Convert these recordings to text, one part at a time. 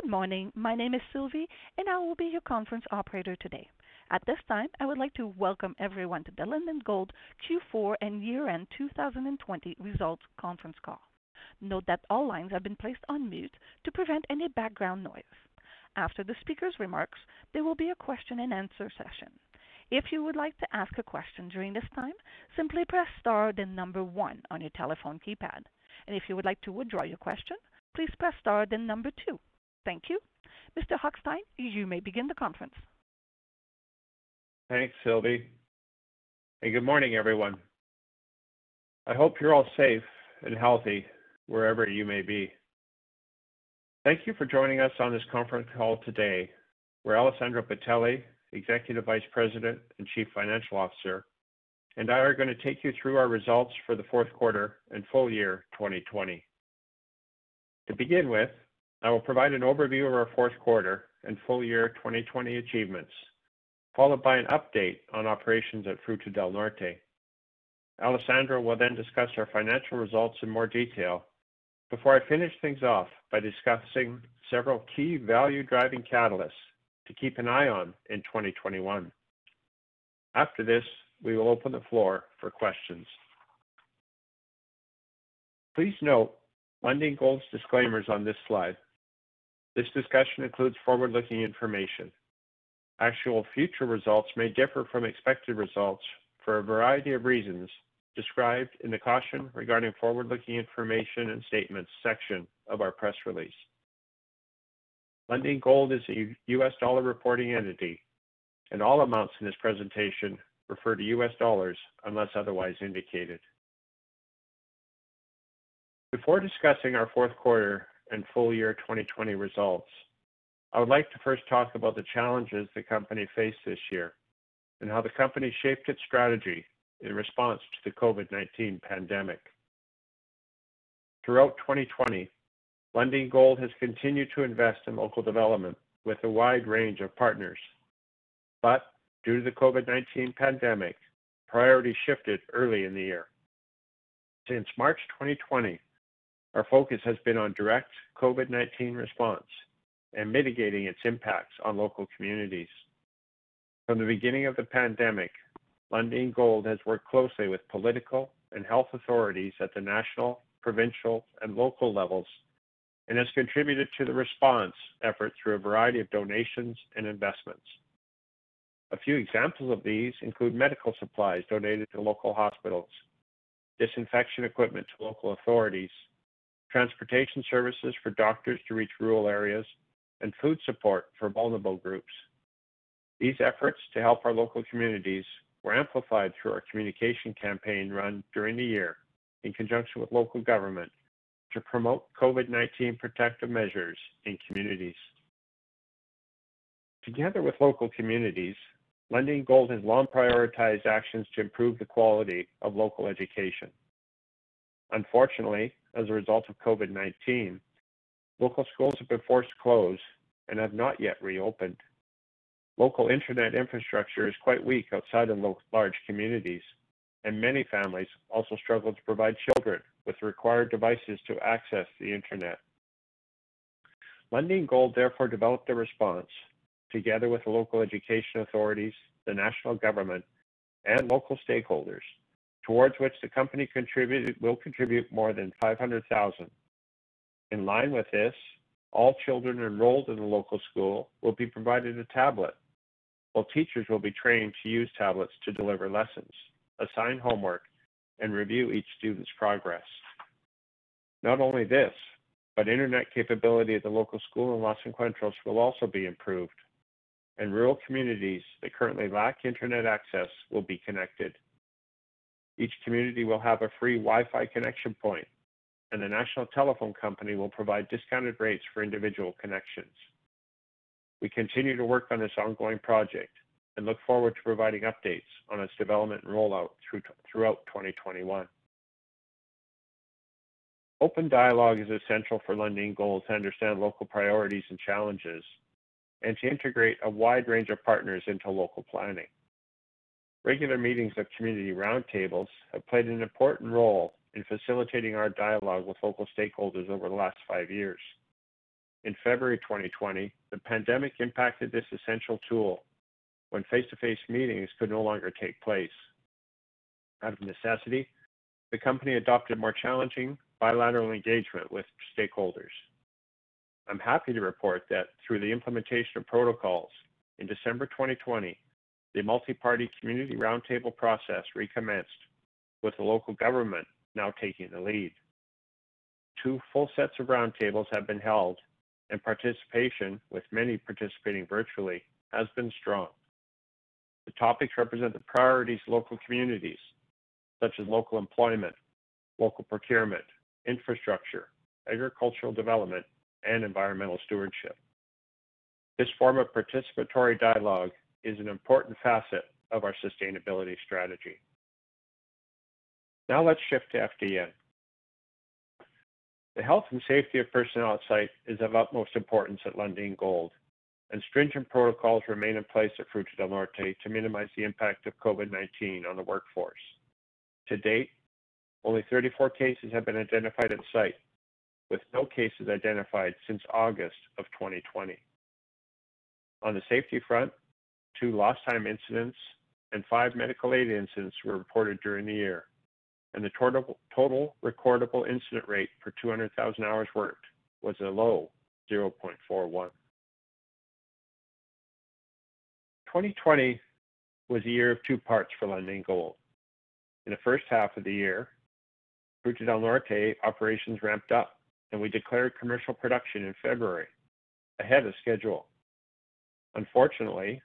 Good morning. My name is Sylvie, and I will be your conference operator today. At this time, I would like to welcome everyone to the Lundin Gold Q4 and year-end 2020 results conference call. Note that all lines have been placed on mute to prevent any background noise. After the speaker's remarks, there will be a question and answer session. If yo would like to ask a question during this time, simply press star then number one on your telephone keypad. And if you would like to withdraw your question, please press star the number two. Thank you. Mr. Hochstein, you may begin the conference. Thanks, Sylvie. Good morning, everyone. I hope you're all safe and healthy wherever you may be. Thank you for joining us on this conference call today, where Alessandro Bitelli, Executive Vice President and Chief Financial Officer, and I are going to take you through our results for the fourth quarter and full year 2020. To begin with, I will provide an overview of our fourth quarter and full year 2020 achievements, followed by an update on operations at Fruta del Norte. Alessandro will then discuss our financial results in more detail before I finish things off by discussing several key value-driving catalysts to keep an eye on in 2021. After this, we will open the floor for questions. Please note Lundin Gold's disclaimers on this slide. This discussion includes forward-looking information. Actual future results may differ from expected results for a variety of reasons described in the Caution Regarding Forward-Looking Information and Statements section of our press release. Lundin Gold is a US dollar reporting entity, and all amounts in this presentation refer to US dollars unless otherwise indicated. Before discussing our fourth quarter and full year 2020 results, I would like to first talk about the challenges the company faced this year and how the company shaped its strategy in response to the COVID-19 pandemic. Throughout 2020, Lundin Gold has continued to invest in local development with a wide range of partners. Due to the COVID-19 pandemic, priorities shifted early in the year. Since March 2020, our focus has been on direct COVID-19 response and mitigating its impacts on local communities. From the beginning of the pandemic, Lundin Gold has worked closely with political and health authorities at the national, provincial, and local levels and has contributed to the response effort through a variety of donations and investments. A few examples of these include medical supplies donated to local hospitals, disinfection equipment to local authorities, transportation services for doctors to reach rural areas, and food support for vulnerable groups. These efforts to help our local communities were amplified through our communication campaign run during the year in conjunction with local government to promote COVID-19 protective measures in communities. Together with local communities, Lundin Gold has long prioritized actions to improve the quality of local education. Unfortunately, as a result of COVID-19, local schools have been forced to close and have not yet reopened. Local internet infrastructure is quite weak outside of large communities, and many families also struggle to provide children with required devices to access the internet. Lundin Gold therefore developed a response together with local education authorities, the national government, and local stakeholders, towards which the company will contribute more than $500,000. In line with this, all children enrolled in the local school will be provided a tablet, while teachers will be trained to use tablets to deliver lessons, assign homework, and review each student's progress. Not only this, internet capability at the local school in Los Encuentros will also be improved. Rural communities that currently lack internet access will be connected. Each community will have a free Wi-Fi connection point. The national telephone company will provide discounted rates for individual connections. We continue to work on this ongoing project and look forward to providing updates on its development and rollout throughout 2021. Open dialogue is essential for Lundin Gold to understand local priorities and challenges and to integrate a wide range of partners into local planning. Regular meetings of community roundtables have played an important role in facilitating our dialogue with local stakeholders over the last five years. In February 2020, the pandemic impacted this essential tool when face-to-face meetings could no longer take place. Out of necessity, the company adopted more challenging bilateral engagement with stakeholders. I'm happy to report that through the implementation of protocols in December 2020, the multi-party community roundtable process recommenced with the local government now taking the lead. Two full sets of roundtables have been held, and participation with many participating virtually has been strong. The topics represent the priorities of local communities such as local employment, local procurement, infrastructure, agricultural development, and environmental stewardship. This form of participatory dialogue is an important facet of our sustainability strategy. Let's shift to FDN. The health and safety of personnel on site is of utmost importance at Lundin Gold. Stringent protocols remain in place at Fruta del Norte to minimize the impact of COVID-19 on the workforce. To date, only 34 cases have been identified at site, with no cases identified since August of 2020. On the safety front, two lost time incidents and five medical aid incidents were reported during the year, and the total recordable incident rate per 200,000 hours worked was a low 0.41. 2020 was a year of two parts for Lundin Gold. In the first half of the year, Fruta del Norte operations ramped up and we declared commercial production in February, ahead of schedule. Unfortunately,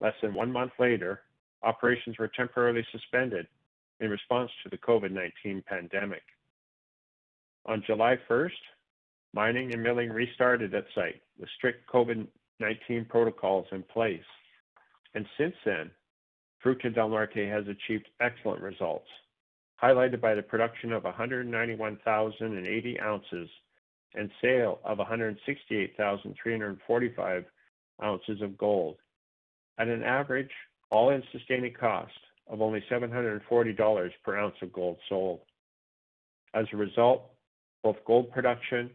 less than one month later, operations were temporarily suspended in response to the COVID-19 pandemic. On July 1st, mining and milling restarted at site with strict COVID-19 protocols in place. Since then, Fruta del Norte has achieved excellent results, highlighted by the production of 191,080 ounces and sale of 168,345 ounces of gold at an average all-in sustaining cost of only $740 per ounce of gold sold. As a result, both gold production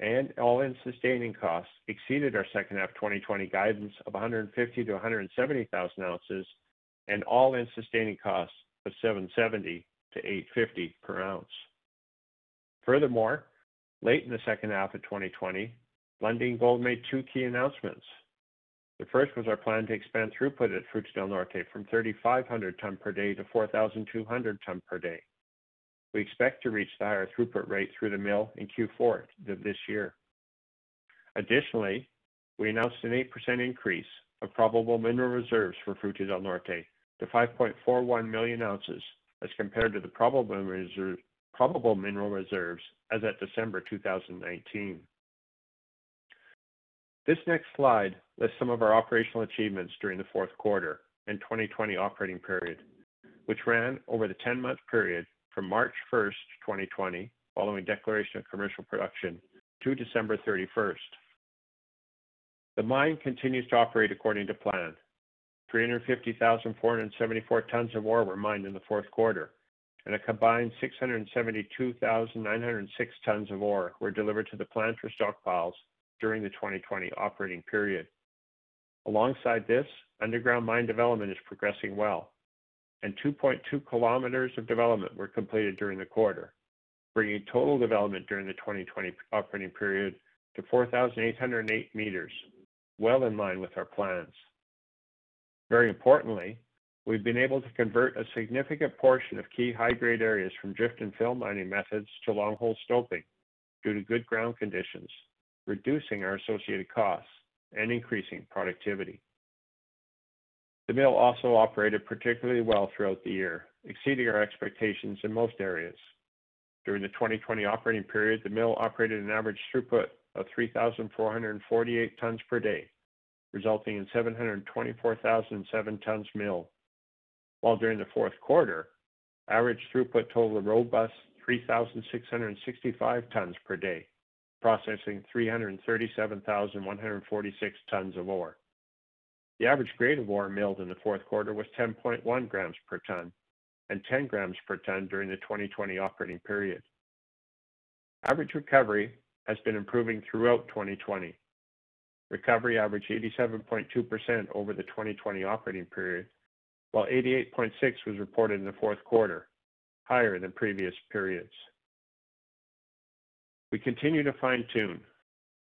and all-in sustaining costs exceeded our second half 2020 guidance of 150,000 ounces-170,000 ounces and all-in sustaining costs of $770-$850 per ounce. Furthermore, late in the second half of 2020, Lundin Gold made two key announcements. The first was our plan to expand throughput at Fruta del Norte from 3,500 tons per day to 4,200 tons per day. We expect to reach the higher throughput rate through the mill in Q4 of this year. Additionally, we announced an 8% increase of probable mineral reserves for Fruta del Norte to 5.41 million ounces as compared to the probable mineral reserves as at December 2019. This next slide lists some of our operational achievements during the fourth quarter and 2020 operating period, which ran over the 10-month period from March 1st, 2020, following declaration of commercial production, to December 31st. The mine continues to operate according to plan. 350,474 tons of ore were mined in the fourth quarter, and a combined 672,906 tons of ore were delivered to the plant for stockpiles during the 2020 operating period. Alongside this, underground mine development is progressing well, and 2.2 km of development were completed during the quarter, bringing total development during the 2020 operating period to 4,808 meters, well in line with our plans. Very importantly, we've been able to convert a significant portion of key high-grade areas from drift and fill mining methods to long hole stoping due to good ground conditions, reducing our associated costs and increasing productivity. The mill also operated particularly well throughout the year, exceeding our expectations in most areas. During the 2020 operating period, the mill operated an average throughput of 3,448 tons per day, resulting in 724,007 tons milled. While during the fourth quarter, average throughput total a robust 3,665 tons per day, processing 337,146 tons of ore. The average grade of ore milled in the fourth quarter was 10.1 grams per ton and 10 grams per ton during the 2020 operating period. Average recovery has been improving throughout 2020. Recovery averaged 87.2% over the 2020 operating period, while 88.6% was reported in the fourth quarter, higher than previous periods. We continue to fine-tune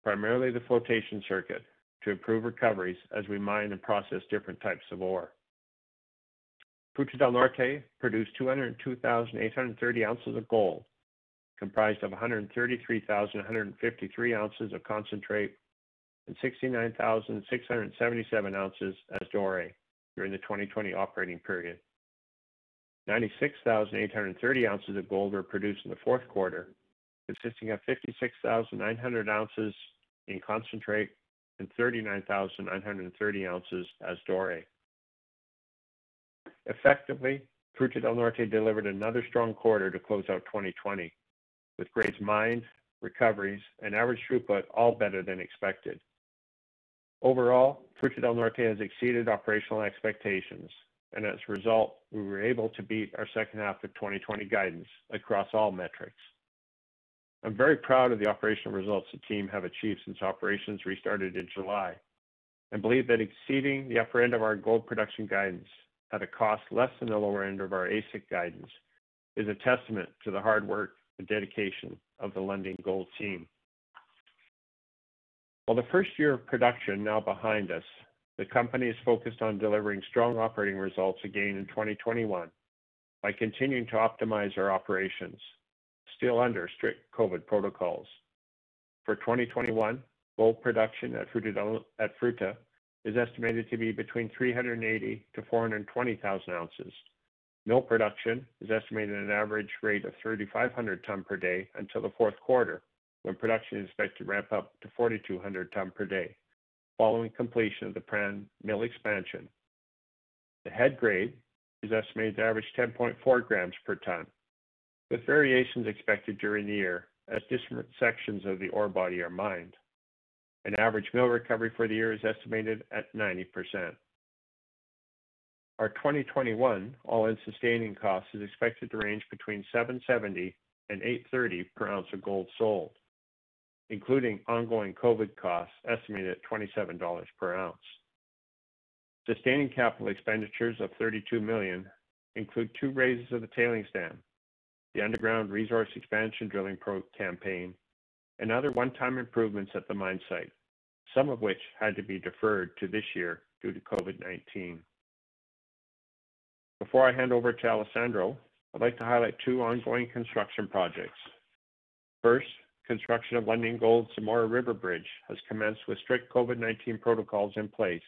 primarily the flotation circuit to improve recoveries as we mine and process different types of ore. Fruta del Norte produced 202,830 ounces of gold, comprised of 133,153 ounces of concentrate and 69,677 ounces as doré during the 2020 operating period. 96,830 ounces of gold were produced in the fourth quarter, consisting of 56,900 ounces in concentrate and 39,930 ounces as doré. Effectively, Fruta del Norte delivered another strong quarter to close out 2020, with grades mined, recoveries, and average throughput all better than expected. Overall, Fruta del Norte has exceeded operational expectations, and as a result, we were able to beat our second half of 2020 guidance across all metrics. I'm very proud of the operational results the team have achieved since operations restarted in July and believe that exceeding the upper end of our gold production guidance at a cost less than the lower end of our AISC guidance is a testament to the hard work and dedication of the Lundin Gold team. While the first year of production now behind us, the company is focused on delivering strong operating results again in 2021 by continuing to optimize our operations, still under strict COVID protocols. For 2021, gold production at Fruta is estimated to be between 380,000 ounces-420,000 ounces. Mill production is estimated at an average rate of 3,500 tons per day until the fourth quarter, when production is expected to ramp up to 4,200 tons per day following completion of the planned mill expansion. The head grade is estimated to average 10.4 grams per ton, with variations expected during the year as different sections of the ore body are mined. An average mill recovery for the year is estimated at 90%. Our 2021 all-in sustaining cost is expected to range between $770 and $830 per ounce of gold sold, including ongoing COVID costs estimated at $27 per ounce. Sustaining capital expenditures of $32 million include two raises of the tailing dam, the underground resource expansion drilling campaign, and other one-time improvements at the mine site, some of which had to be deferred to this year due to COVID-19. Before I hand over to Alessandro, I'd like to highlight two ongoing construction projects. First, construction of Lundin Gold Zamora River Bridge has commenced with strict COVID-19 protocols in place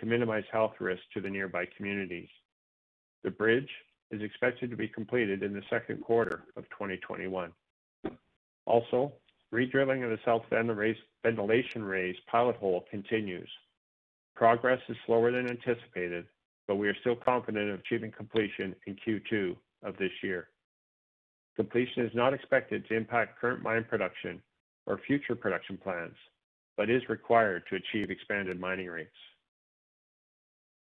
to minimize health risks to the nearby communities. The bridge is expected to be completed in the second quarter of 2021. Also, redrilling of the south ventilation raise pilot hole continues. Progress is slower than anticipated, but we are still confident of achieving completion in Q2 of this year. Completion is not expected to impact current mine production or future production plans, but is required to achieve expanded mining rates.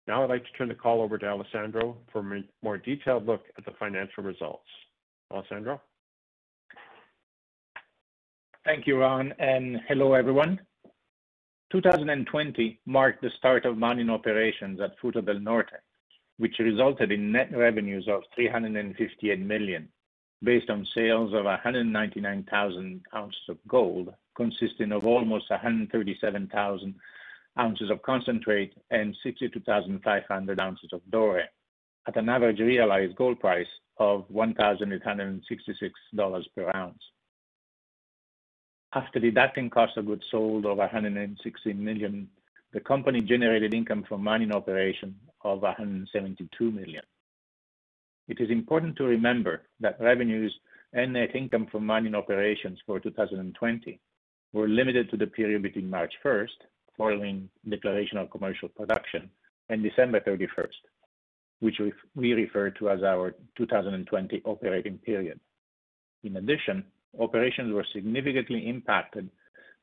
Now I'd like to turn the call over to Alessandro for a more detailed look at the financial results. Alessandro? Thank you, Ron, and hello, everyone. 2020 marked the start of mining operations at Fruta del Norte, which resulted in net revenues of $358 million, based on sales of 199,000 ounces of gold, consisting of almost 137,000 ounces of concentrate and 62,500 ounces of doré, at an average realized gold price of $1,866 per ounce. After deducting cost of goods sold of $160 million, the company generated income from mining operation of $172 million. It is important to remember that revenues and net income from mining operations for 2020 were limited to the period between March 1st, following declaration of commercial production, and December 31st, which we refer to as our 2020 operating period. In addition, operations were significantly impacted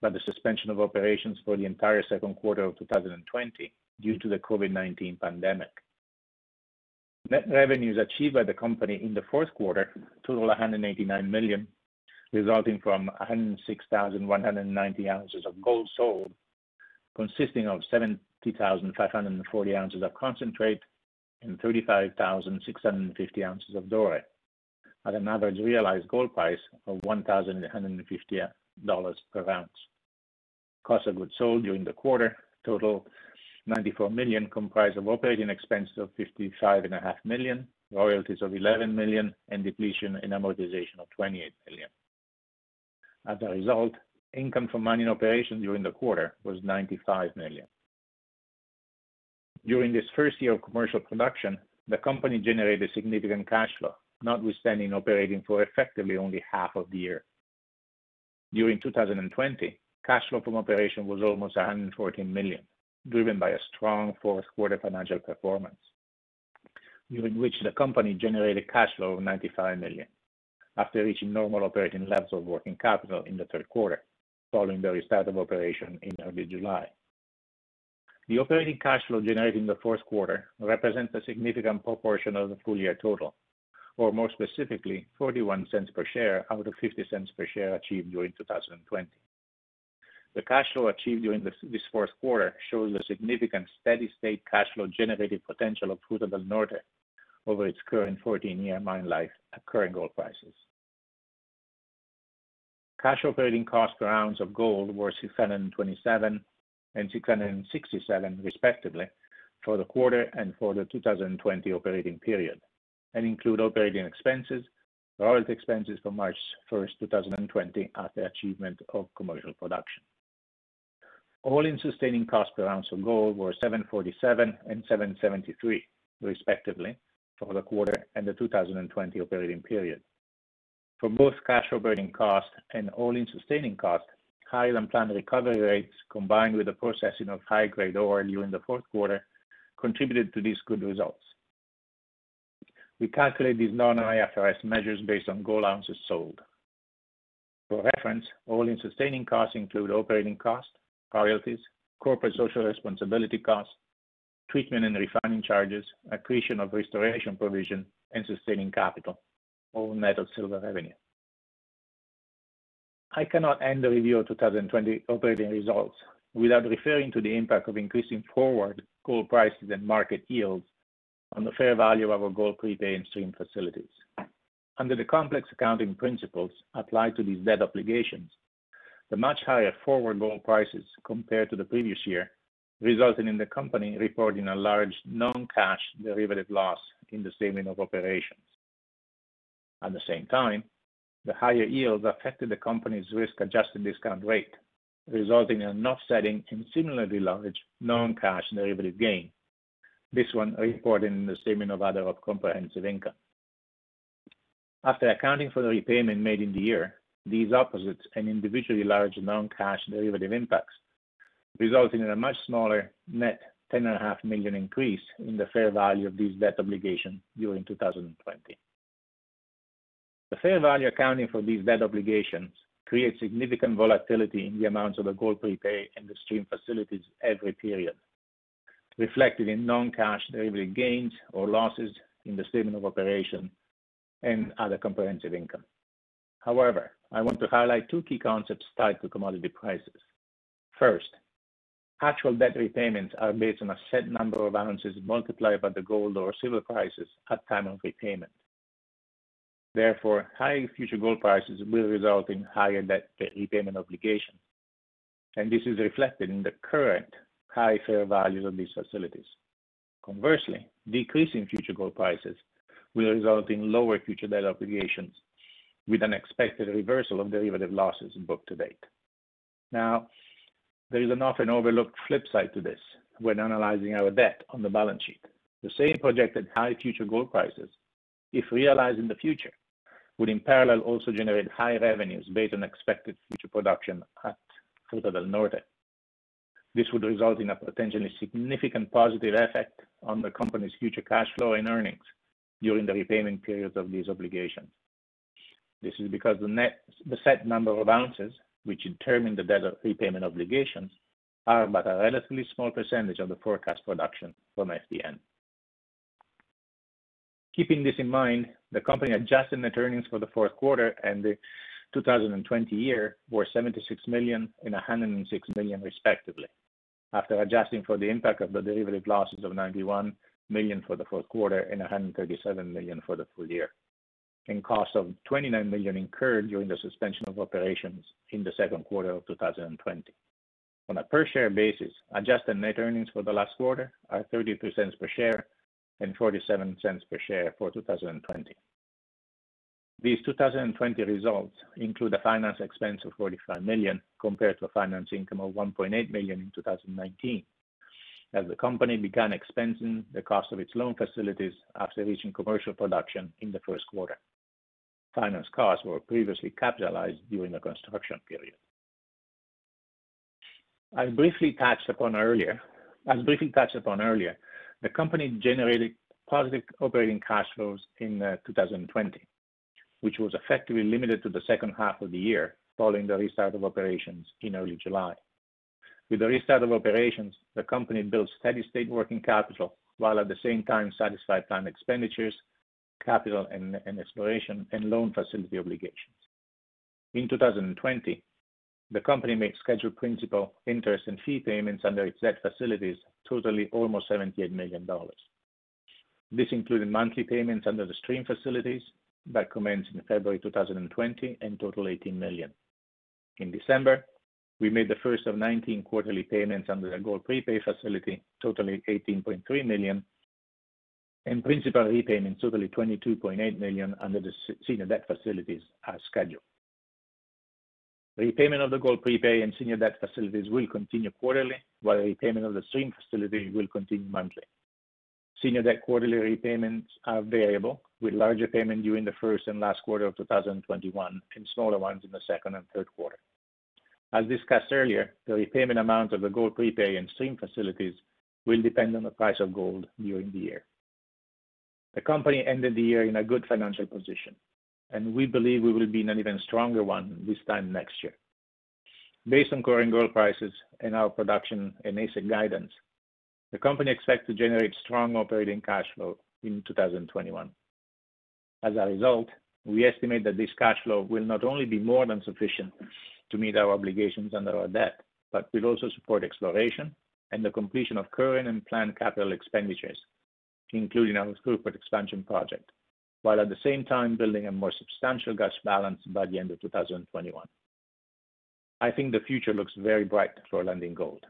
by the suspension of operations for the entire second quarter of 2020 due to the COVID-19 pandemic. Net revenues achieved by the company in the fourth quarter total $189 million, resulting from 106,190 ounces of gold sold, consisting of 70,540 ounces of concentrate and 35,650 ounces of doré at an average realized gold price of $1,850 per ounce. Cost of goods sold during the quarter total $94 million, comprised of operating expenses of $55.5 million, royalties of $11 million, and depletion and amortization of $28 million. As a result, income from mining operations during the quarter was $95 million. During this first year of commercial production, the company generated significant cash flow, not withstanding operating for effectively only half of the year. During 2020, cash flow from operation was almost $114 million, driven by a strong fourth quarter financial performance, during which the company generated cash flow of $95 million after reaching normal operating levels of working capital in the third quarter, following the restart of operation in early July. The operating cash flow generated in the fourth quarter represents a significant proportion of the full-year total, or more specifically, $0.41 per share out of $0.50 per share achieved during 2020. The cash flow achieved during this fourth quarter shows the significant steady state cash flow generating potential of Fruta del Norte over its current 14-year mine life at current gold prices. Cash operating cost per ounce of gold were $627 and $667 respectively for the quarter and for the 2020 operating period and include operating expenses, royalty expenses from March 1st, 2020 at the achievement of commercial production. All-in sustaining cost per ounce of gold were $747 and $773, respectively, for the quarter and the 2020 operating period. For both cash operating cost and all-in sustaining cost, higher-than-planned recovery rates, combined with the processing of high-grade ore during the fourth quarter, contributed to these good results. We calculate these non-IFRS measures based on gold ounces sold. For reference, all-in sustaining costs include operating costs, royalties, corporate social responsibility costs, treatment and refining charges, accretion of restoration provision, and sustaining capital, over metal silver revenue. I cannot end the review of 2020 operating results without referring to the impact of increasing forward gold prices and market yields on the fair value of our gold prepay and stream facilities. Under the complex accounting principles applied to these debt obligations, the much higher forward gold prices compared to the previous year resulted in the company reporting a large non-cash derivative loss in the Statement of Operations. At the same time, the higher yields affected the company's risk-adjusted discount rate, resulting in an offsetting and similarly large non-cash derivative gain, this one reported in the Statement of Other Comprehensive Income. After accounting for the repayment made in the year, these opposites and individually large non-cash derivative impacts resulted in a much smaller net $10.5 million increase in the fair value of this debt obligation during 2020. The fair value accounting for these debt obligations creates significant volatility in the amounts of the gold prepay and the stream facilities every period, reflected in non-cash derivative gains or losses in the Statement of Operations and Other Comprehensive Income. However, I want to highlight two key concepts tied to commodity prices. First, actual debt repayments are based on a set number of balances multiplied by the gold or silver prices at time of repayment. Therefore, high future gold prices will result in higher debt repayment obligations, and this is reflected in the current high fair values of these facilities. Conversely, decreasing future gold prices will result in lower future debt obligations with an expected reversal of derivative losses booked to date. There is an often overlooked flip side to this when analyzing our debt on the balance sheet. The same projected high future gold prices, if realized in the future, would in parallel also generate high revenues based on expected future production at Fruta del Norte. This would result in a potentially significant positive effect on the company's future cash flow and earnings during the repayment periods of these obligations. This is because the set number of ounces, which determine the debt repayment obligations, are but a relatively small percentage of the forecast production from FDN. Keeping this in mind, the company adjusted net earnings for the fourth quarter and the 2020 year were $76 million and $106 million respectively, after adjusting for the impact of the derivative losses of $91 million for the fourth quarter and $137 million for the full year, and costs of $29 million incurred during the suspension of operations in the second quarter of 2020. On a per share basis, adjusted net earnings for the last quarter are $0.32 per share and $0.47 per share for 2020. These 2020 results include a finance expense of $45 million compared to a finance income of $1.8 million in 2019 as the company began expensing the cost of its loan facilities after reaching commercial production in the first quarter. Finance costs were previously capitalized during the construction period. As briefly touched upon earlier, the company generated positive operating cash flows in 2020, which was effectively limited to the second half of the year following the restart of operations in early July. With the restart of operations, the company built steady state working capital while at the same time satisfied planned expenditures, capital and exploration, and loan facility obligations. In 2020, the company made scheduled principal interest and fee payments under its debt facilities totaling almost $78 million. This included monthly payments under the stream facilities that commenced in February 2020 and total $18 million. In December, we made the first of 19 quarterly payments under the gold prepay facility totaling $18.3 million, and principal repayments totaling $22.8 million under the senior debt facilities as scheduled. Repayment of the gold prepay and senior debt facilities will continue quarterly, while repayment of the stream facility will continue monthly. Senior debt quarterly repayments are variable, with larger payment during the first and last quarter of 2021 and smaller ones in the second and third quarter. As discussed earlier, the repayment amount of the gold prepay and stream facilities will depend on the price of gold during the year. The company ended the year in a good financial position, and we believe we will be in an even stronger one this time next year. Based on current gold prices and our production and AISC guidance, the company expects to generate strong operating cash flow in 2021. As a result, we estimate that this cash flow will not only be more than sufficient to meet our obligations under our debt, but will also support exploration and the completion of current and planned capital expenditures, including our throughput expansion project, while at the same time building a more substantial cash balance by the end of 2021. I think the future looks very bright for Lundin Gold.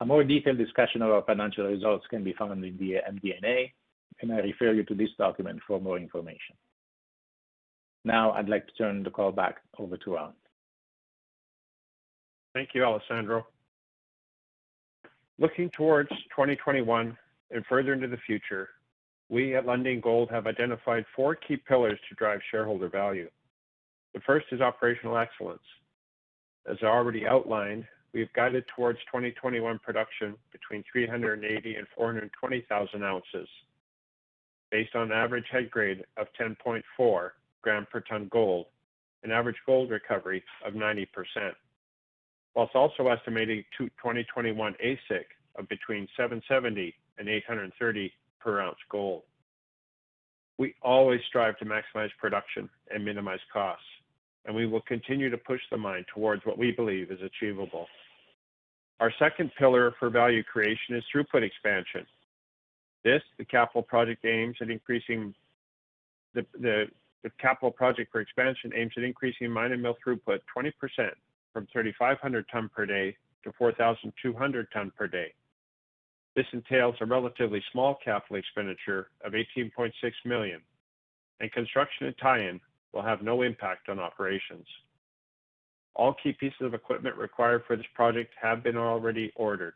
A more detailed discussion of our financial results can be found in the MD&A. I refer you to this document for more information. Now I'd like to turn the call back over to Ron. Thank you, Alessandro. Looking towards 2021 and further into the future, we at Lundin Gold have identified four key pillars to drive shareholder value. The first is operational excellence. As already outlined, we've guided towards 2021 production between 380,000 ounces and 420,000 ounces based on average head grade of 10.4 gram per ton gold and average gold recovery of 90%, whilst also estimating 2021 AISC of between $770 and $830 per ounce gold. We always strive to maximize production and minimize costs, and we will continue to push the mine towards what we believe is achievable. Our second pillar for value creation is throughput expansion. The capital project for expansion aims at increasing mine and mill throughput 20% from 3,500 ton per day to 4,200 ton per day. This entails a relatively small capital expenditure of $18.6 million, and construction and tie-in will have no impact on operations. All key pieces of equipment required for this project have been already ordered.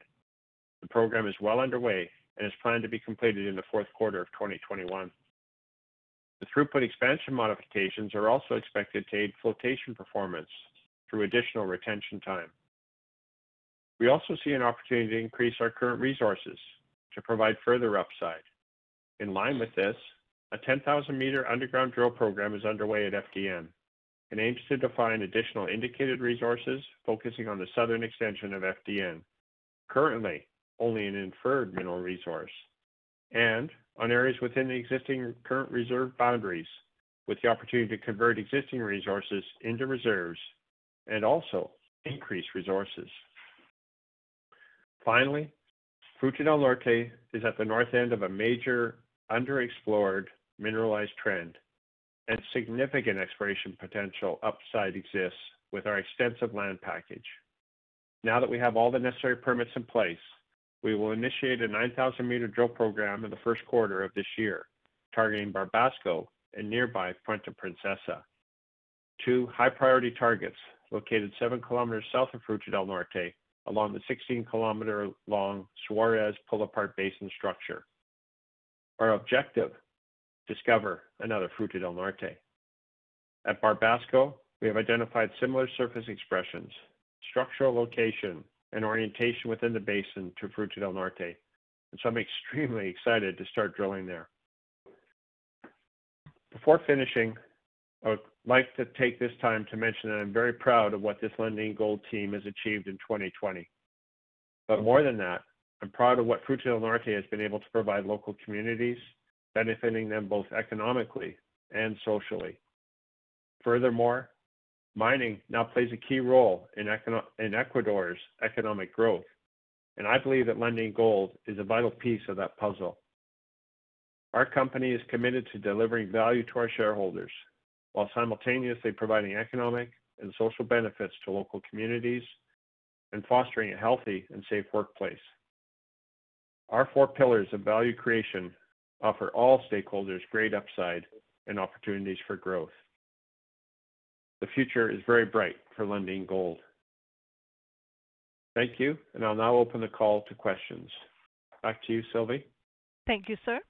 The program is well underway and is planned to be completed in the fourth quarter of 2021. The throughput expansion modifications are also expected to aid flotation performance through additional retention time. We also see an opportunity to increase our current resources to provide further upside. In line with this, a 10,000-meter underground drill program is underway at FDN. It aims to define additional indicated resources, focusing on the southern extension of FDN. Currently, only an inferred mineral resource, and on areas within the existing current reserve boundaries, with the opportunity to convert existing resources into reserves and also increase resources. Fruta del Norte is at the north end of a major underexplored mineralized trend, and significant exploration potential upside exists with our extensive land package. Now that we have all the necessary permits in place, we will initiate a 9,000-meter drill program in the first quarter of this year, targeting Barbasco and nearby Puente-Princesa. Two high-priority targets located 7 km south of Fruta del Norte, along the 16-km-long Suarez pull-apart basin structure. Our objective, discover another Fruta del Norte. At Barbasco, we have identified similar surface expressions, structural location, and orientation within the basin to Fruta del Norte. I'm extremely excited to start drilling there. Before finishing, I would like to take this time to mention that I'm very proud of what this Lundin Gold team has achieved in 2020. More than that, I'm proud of what Fruta del Norte has been able to provide local communities, benefiting them both economically and socially. Furthermore, mining now plays a key role in Ecuador's economic growth, and I believe that Lundin Gold is a vital piece of that puzzle. Our company is committed to delivering value to our shareholders while simultaneously providing economic and social benefits to local communities and fostering a healthy and safe workplace. Our four pillars of value creation offer all stakeholders great upside and opportunities for growth. The future is very bright for Lundin Gold. Thank you. I'll now open the call to questions. Back to you, Sylvie. Thank you, sir.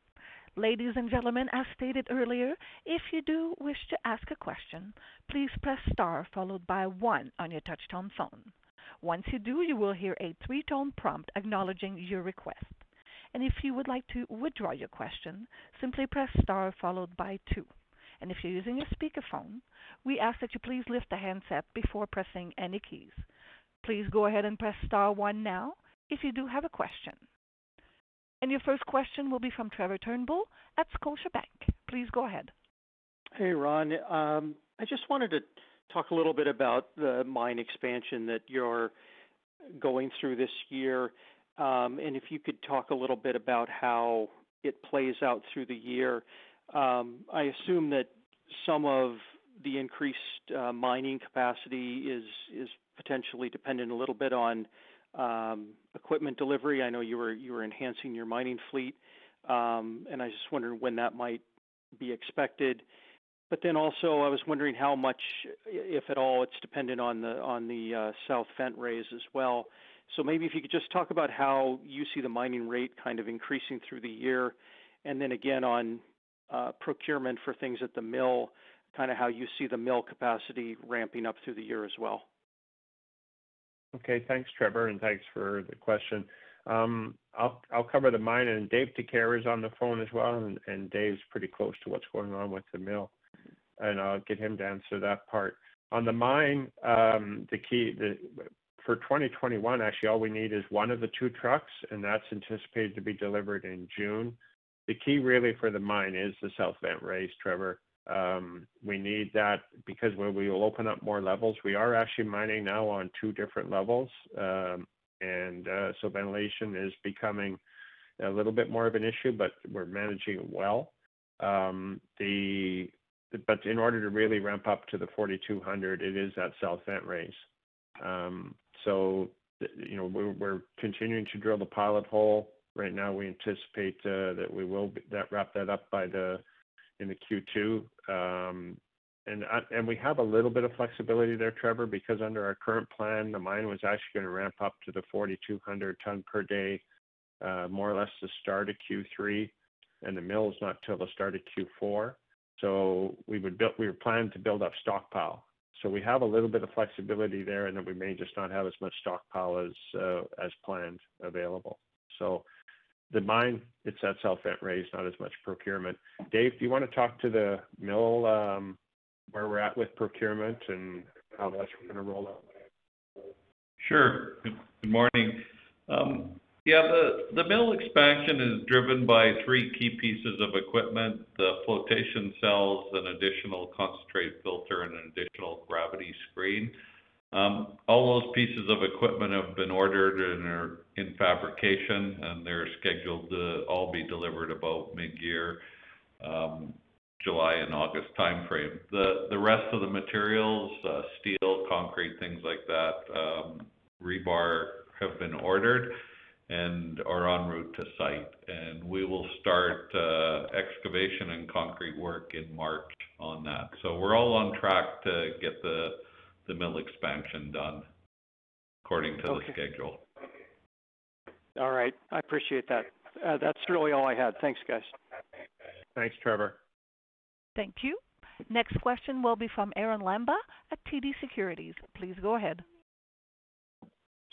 Ladies and gentlemen, as stated earlier, if you do wish to ask a question, please press star followed by one on your touchtone phone. Once you do, you will hear a three tone prompt acknowledging your request. And if you would like to withdraw your question, simply press star followed by two. And if you're using a speakerphone, we ask that you please lift the handset before pressing any keys. Please go ahead and press star one now if you do have a question. Your first question will be from Trevor Turnbull at Scotiabank. Please go ahead. Hey, Ron. I just wanted to talk a little bit about the mine expansion that you're going through this year, and if you could talk a little bit about how it plays out through the year. I assume that some of the increased mining capacity is potentially dependent a little bit on equipment delivery. I know you were enhancing your mining fleet. I just wonder when that might be expected. Also, I was wondering how much, if at all, it's dependent on the south vent raise as well. Maybe if you could just talk about how you see the mining rate kind of increasing through the year, and then again on procurement for things at the mill, how you see the mill capacity ramping up through the year as well? Okay. Thanks, Trevor, and thanks for the question. I'll cover the mine, Dave Dicaire is on the phone as well, Dave's pretty close to what's going on with the mill. I'll get him to answer that part. On the mine, for 2021, actually, all we need is one of the two trucks, That's anticipated to be delivered in June. The key really for the mine is the south vent raise, Trevor. We need that because where we will open up more levels, we are actually mining now on two different levels. Ventilation is becoming a little bit more of an issue, We're managing it well. In order to really ramp up to the 4,200 tons, it is that south vent raise. We're continuing to drill the pilot hole. Right now, we anticipate that we will wrap that up in the Q2. We have a little bit of flexibility there, Trevor, because under our current plan, the mine was actually going to ramp up to the 4,200 tons per day, more or less the start of Q3, and the mill is not till the start of Q4. We would plan to build up stockpile. We have a little bit of flexibility there, and then we may just not have as much stockpile as planned available. The mine, it's that south vent raise, not as much procurement. Dave, do you want to talk to the mill, where we're at with procurement and how much we're going to roll out? Sure. Good morning. Yeah, the mill expansion is driven by three key pieces of equipment, the flotation cells, an additional concentrate filter, and an additional gravity screen. All those pieces of equipment have been ordered and are in fabrication. They're scheduled to all be delivered about mid-year, July and August timeframe. The rest of the materials, steel, concrete, things like that. Rebar have been ordered and are en route to site, and we will start excavation and concrete work in March on that. We're all on track to get the mill expansion done according to the schedule. All right. I appreciate that. That's really all I had. Thanks, guys. Thanks, Trevor. Thank you. Next question will be from Arun Lamba at TD Securities. Please go ahead.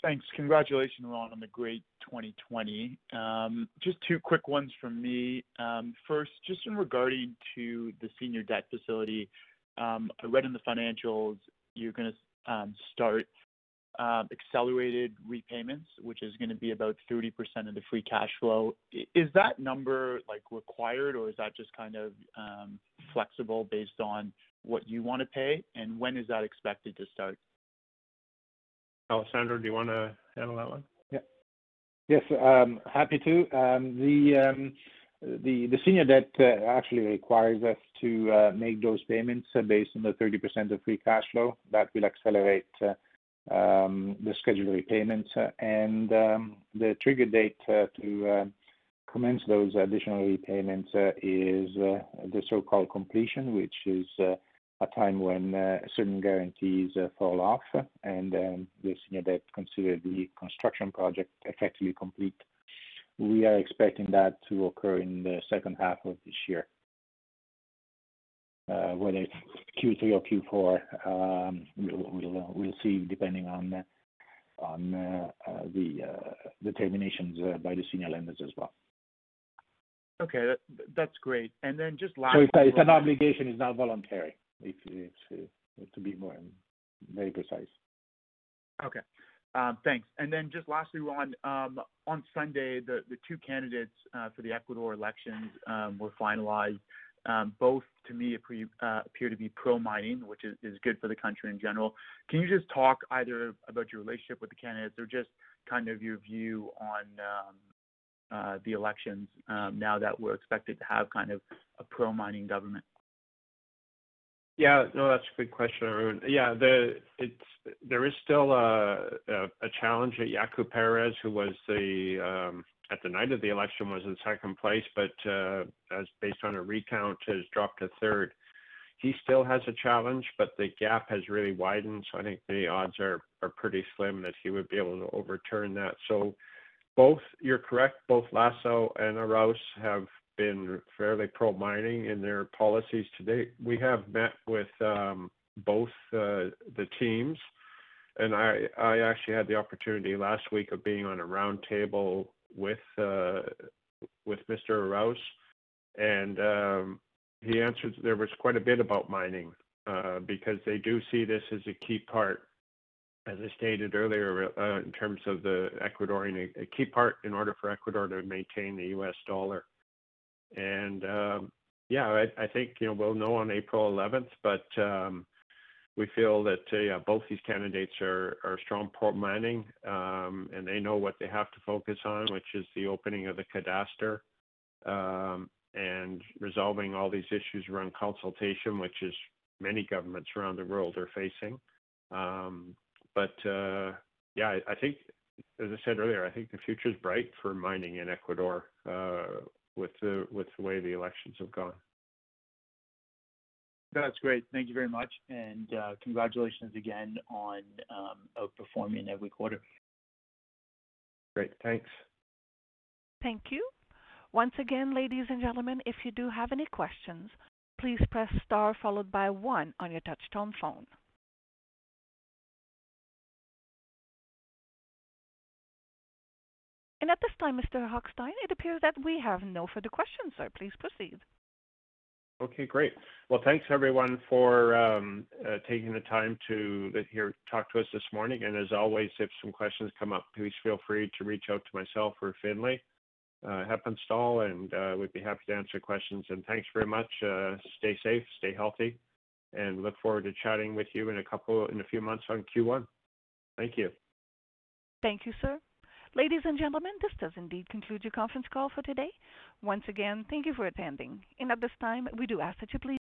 Thanks. Congratulations, Ron, on the great 2020. Just two quick ones from me. First, just in regarding to the senior debt facility. I read in the financials you're going to start accelerated repayments, which is going to be about 30% of the free cash flow. Is that number required, or is that just flexible based on what you want to pay, and when is that expected to start? Alessandro, do you want to handle that one? Yes, happy to. The senior debt actually requires us to make those payments based on the 30% of free cash flow that will accelerate the scheduled repayments. The trigger date to commence those additional repayments is the so-called completion, which is a time when certain guarantees fall off, and the senior debt considers the construction project effectively complete. We are expecting that to occur in the second half of this year. Whether it's Q3 or Q4, we'll see, depending on the terminations by the senior lenders as well. Okay. That's great. It's an obligation, it's not voluntary. To be very precise. Okay. Thanks. Just lastly, Ron, on Sunday, the two candidates for the Ecuador elections were finalized. Both, to me, appear to be pro-mining, which is good for the country in general. Can you just talk either about your relationship with the candidates or just your view on the elections now that we're expected to have a pro-mining government? Yeah, that's a good question, Arun. There is still a challenge that Yaku Pérez, who at the night of the election was in second place, but as based on a recount, has dropped to third. He still has a challenge, but the gap has really widened, I think the odds are pretty slim that he would be able to overturn that. You're correct, both Lasso and Arauz have been fairly pro-mining in their policies to date. We have met with both the teams, and I actually had the opportunity last week of being on a round table with Mr. Arauz, and there was quite a bit about mining, because they do see this as a key part, as I stated earlier, in terms of the Ecuadorian key part in order for Ecuador to maintain the U.S. dollar. I think we'll know on April 11th, but we feel that both these candidates are strong pro-mining, and they know what they have to focus on, which is the opening of the cadastre and resolving all these issues around consultation, which many governments around the world are facing. As I said earlier, I think the future's bright for mining in Ecuador with the way the elections have gone. That's great. Thank you very much, and congratulations again on outperforming every quarter. Great. Thanks. Thank you. Once again, ladies and gentlemen, if you do have any questions, please press star followed by one on your touch-tone phone. At this time, Mr. Hochstein, it appears that we have no further questions, so please proceed. Okay, great. Well, thanks, everyone, for taking the time to talk to us this morning. As always, if some questions come up, please feel free to reach out to myself or Finlay Heppenstall, and we'd be happy to answer questions. Thanks very much. Stay safe, stay healthy, and look forward to chatting with you in a few months on Q1. Thank you. Thank you, sir. Ladies and gentlemen, this does indeed conclude your conference call for today. Once again, thank you for attending, and at this time, we do ask that you please.